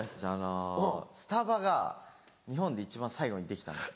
スタバが日本で一番最後にできたんです。